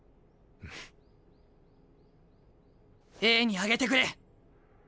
Ａに上げてくれ。